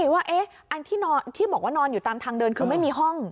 ว่าอันที่บอกว่านอนอยู่ตามทางเดินคือไม่มีห้อง